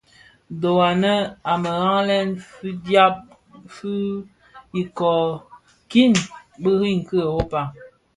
Dho anë a më ghalèn, fidyab fi ikōō, kiň biriň ki Europa.